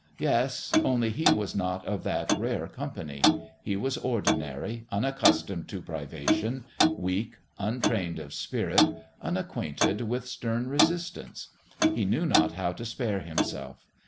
Yes, only he was not of that rare company. He was ordinary, unaccustomed to privation, weak, untrained of spirit, unacquainted with stern resistance. He knew not how to spare himself.